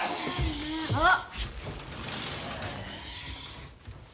あっ。